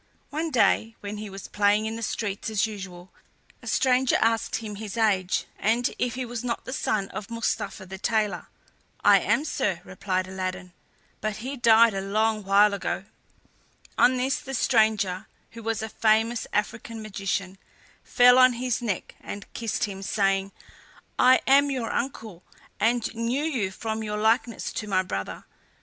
One day, when he was playing in the streets as usual, a stranger asked him his age, and if he was not the son of Mustapha the tailor. "I am, sir," replied Aladdin; "but he died a long while ago." On this the stranger, who was a famous African magician, fell on his neck and kissed him saying: "I am your uncle, and knew you from your likeness to my brother.